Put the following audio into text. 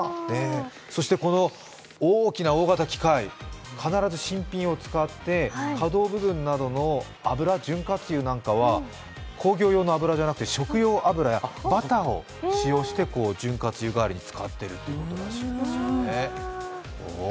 そして、この大きな大型機械、必ず新品を使って、可動部分などの油、潤滑油なんかは工業用の油じゃなくて植物用の油やバターを使用して潤滑油代わりに使ってるということらしいですね。